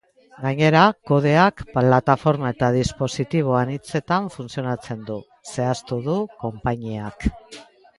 Gainera, kodeak plataforma eta dispositibo anitzetan funtzionatzen du, zehaztu du konpainiak.